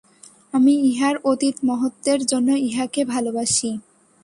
আমি ইহার অতীত মহত্ত্বের জন্য ইহাকে ভালবাসি।